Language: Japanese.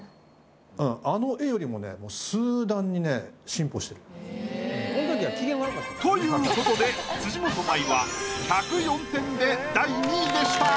あの絵よりもね。ということで辻元舞は１０４点で第２位でした。